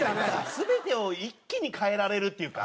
全てを一気に変えられるっていうか。